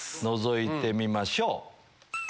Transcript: のぞいてみましょう。